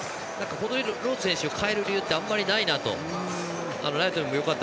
ローズ選手を代える理由ってあんまりないなと。